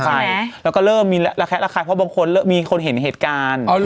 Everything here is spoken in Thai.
ใช่แล้วก็เริ่มมีระแคะระคายเพราะบางคนมีคนเห็นเหตุการณ์